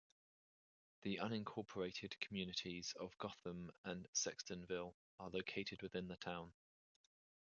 The unincorporated communities of Gotham, and Sextonville are located within the town.